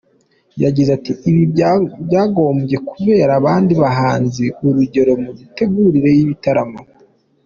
Yagize ati :’’Ibi byakagombye kubera abandi bahanzi urugero mu mitegurire y’ibitaramo’’.